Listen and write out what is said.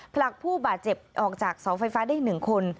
ผลักผู้บาดเจ็บออกจากเสาไฟฟ้าได้๑คน